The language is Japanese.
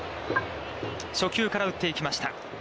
初球から打っていきました。